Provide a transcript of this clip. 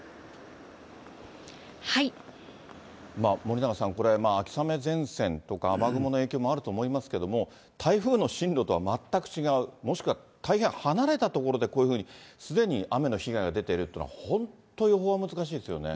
森永さん、秋雨前線とか雨雲の影響もあると思いますけども、台風の進路とは全く違う、もしくは大変離れた所でこういうふうに、すでに雨の被害が出ているというのは本当、予想は難しいですよね。